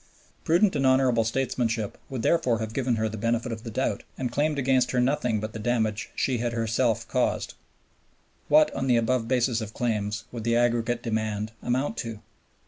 Prudent and honorable statesmanship would therefore have given her the benefit of the doubt, and claimed against her nothing but the damage she had herself caused. What, on the above basis of claims, would the aggregate demand amount to?